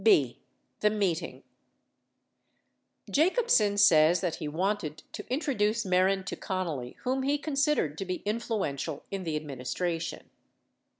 1). The Meeting Jacobsen says that he wanted to introduce Mehren to Connally whom he considered to be influential in the administration.